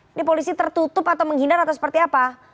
ini polisi tertutup atau menghindar atau seperti apa